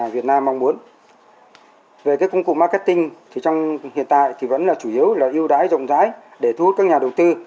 về cái công cụ marketing thì trong hiện tại thì vẫn là chủ yếu là ưu đái rộng rãi để thu hút các nhà đầu tư